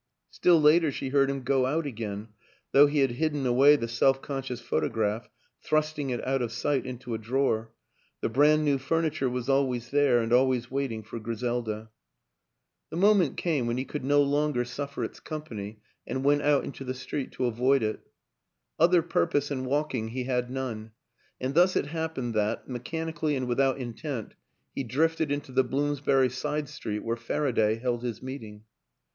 Still later she heard him go out again; though he had hidden away the self conscious photograph, thrusting it out of sight into a drawer, the brand new furniture was always there and always waiting for Griselda. The moment came when he could no longer suffer WILLIAM AN ENGLISHMAN 217 its company and went out into the street to avoid it. Other purpose in walking he had none and thus it happened that, mechanically and without intent, he drifted into the Bloomsbury side street where Faraday held his meeting.